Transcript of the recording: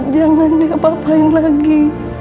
jangan diapa apain lagi